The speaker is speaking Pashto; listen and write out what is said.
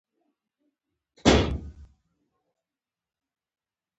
پروفيسر وويل سلام جان دی.